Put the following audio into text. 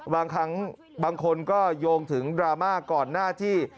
บางครั้งบางคนก็โยงถึงดราม่าก่อนหน้าที่